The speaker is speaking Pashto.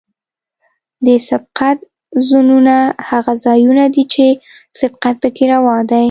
د سبقت زونونه هغه ځایونه دي چې سبقت پکې روا دی